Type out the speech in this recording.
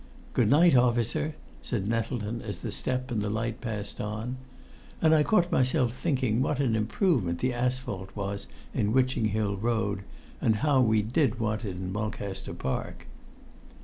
"Good night, officer," said Nettleton as the step and the light passed on. And I caught myself thinking what an improvement the asphalt was in Witching Hill Road, and how we did want it in Mulcaster Park.